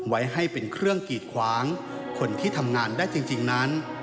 ไว้ให้เป็นเครื่องกีดขวางคนที่ทำงานได้จริงนั้น